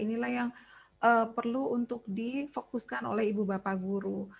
inilah yang perlu untuk difokuskan oleh ibu bapak guru